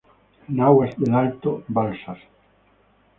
Nahuas del alto balsas.